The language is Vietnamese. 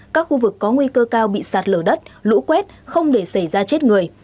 các khu vực có nguy cơ cao bị sạt lở đất lũ quét không để xảy ra chết người